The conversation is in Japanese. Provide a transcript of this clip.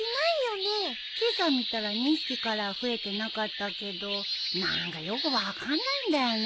今朝見たら２匹からは増えてなかったけど何かよく分かんないんだよね。